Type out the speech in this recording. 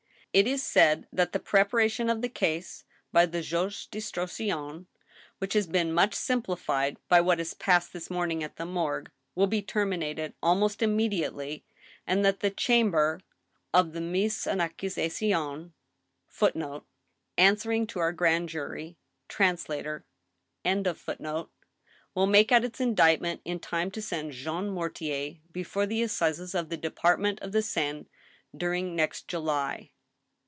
" It is said that the preparation of the case by the juge d^in , struction, which has been much simplified by what has passed this morning at the morgue, will be terminated almost immediately, and that the Chanaber of the Mtses en Accusation * will make out its indictment in time to send Jean Mortier before the assizes of the Department of the Seine during next July.